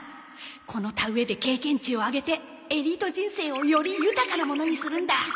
この田植えで経験値を上げてエリート人生をより豊かなものにするんだ